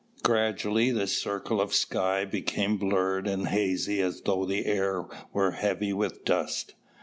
Gradually the circle of sky became blurred and hazy as though the air were heavy with dust.